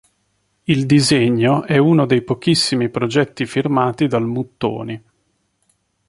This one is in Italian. Il disegno è uno dei pochissimi progetti firmati dal Muttoni.